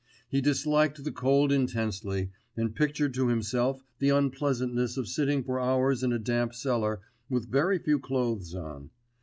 He disliked the cold intensely, and pictured to himself the unpleasantness of sitting for hours in a damp cellar with very few clothes on.